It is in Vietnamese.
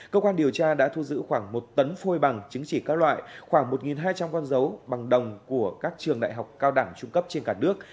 cơ quan điều tra đã thu giữ khoảng một tấn phôi bằng chứng chỉ các loại khoảng một hai trăm linh con dấu bằng đồng của các trường đại học cao đẳng trung cấp trên cả nước